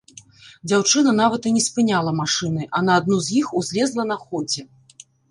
Дзяўчына нават і не спыняла машыны, а на адну з іх узлезла на ходзе.